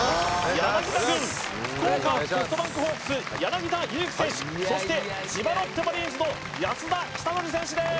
柳田軍福岡ソフトバンクホークス柳田悠岐選手そして千葉ロッテマリーンズの安田尚憲選手です